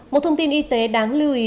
một thông tin y tế đáng lưu ý